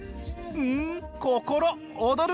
ん心躍る！